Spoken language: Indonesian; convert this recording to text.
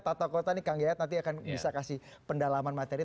tata kota nih kang yayat nanti akan bisa kasih pendalaman materi